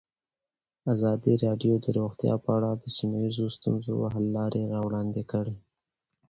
ازادي راډیو د روغتیا په اړه د سیمه ییزو ستونزو حل لارې راوړاندې کړې.